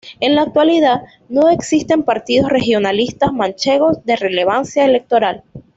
En la actualidad, no existen partidos regionalistas manchegos de relevancia electoral.